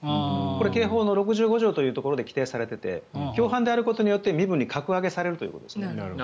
これ、刑法の６５条で規定されてて共犯であることによって身分に格上げされるということですね。